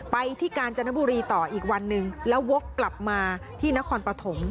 ไปที่กาญจนบุรีต่ออีกวันหนึ่งแล้ววกกลับมาที่นครปฐม